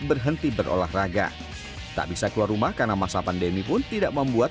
berhenti berolahraga tak bisa keluar rumah karena masa pandemi pun tidak membuat